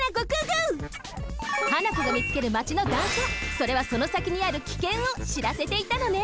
それはそのさきにある危険を知らせていたのね。